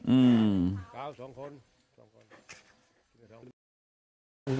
อืม